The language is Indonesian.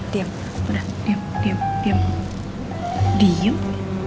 diam udah diam